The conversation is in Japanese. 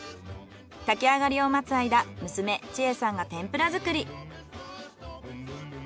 炊き上がりを待つ間娘知恵さんが天ぷら作り。